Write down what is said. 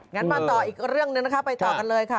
งั้นมาต่ออีกเรื่องหนึ่งนะคะไปต่อกันเลยค่ะ